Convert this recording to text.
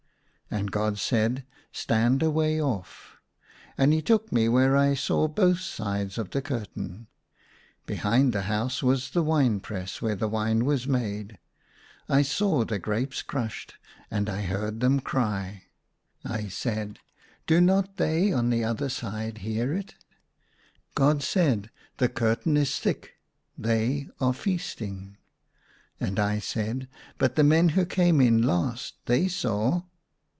And God said, " Stand a way off." And he took me where I saw both sides of the curtain. Behind the house was the wine press where the wine was made. I saw the grapes crushed, and I40 THE SUNLIGHT LA V I heard them cry. I said, " Do not they on the other side hear it ?" God said, " The curtain is thick ; they are feasting." And I said, " But the men who came in last. They saw